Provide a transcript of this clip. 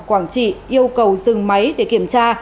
quảng trị yêu cầu dừng máy để kiểm tra